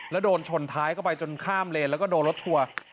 แล้วโดนชนท้ายเข้าไปจนข้ามเลนแล้วก็โดนรถทัวร์